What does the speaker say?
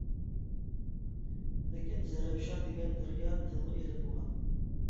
لېكىن «زەرەپشان» دېگەن دەريا تىلغا ئېلىنمىغان.